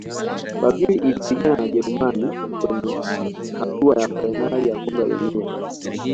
brazil ilipigana na jerumani kwenye hatua ya fainali ya kombe la dunia